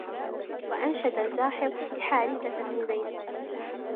وَأَنْشَدَ الْجَاحِظُ لِحَارِثَةَ بْنِ زَيْدٍ